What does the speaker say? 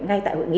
ngay tại hội nghị